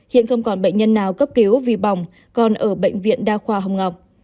hiện không còn bệnh nhân nào cấp cứu vì bỏng còn ở bệnh viện đa khoa hồng ngọc